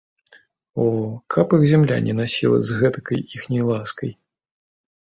О, каб іх зямля не насіла з гэтакай іхняй ласкай!